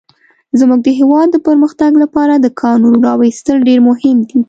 زموږ د هيواد د پرمختګ لپاره د کانونو راويستل ډير مهم دي.